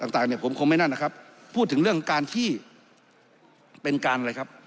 ต่างต่างเนี่ยผมคงไม่นั่นนะครับพูดถึงเรื่องการที่เป็นการอะไรครับ